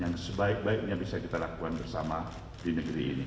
yang sebaik baiknya bisa kita lakukan bersama di negeri ini